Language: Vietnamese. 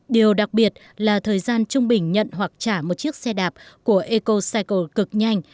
điều đặc biệt là thời gian trung bình nhận hoặc trả một chiếc xe đạp của ecocycle cực nhanh